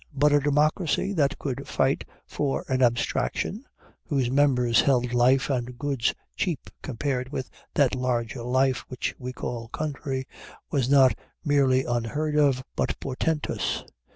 But a democracy that could fight for an abstraction, whose members held life and goods cheap compared with that larger life which we call country, was not merely unheard of, but portentous.